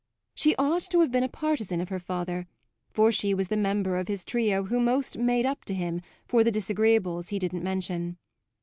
She ought to have been a partisan of her father, for she was the member of his trio who most "made up" to him for the disagreeables he didn't mention.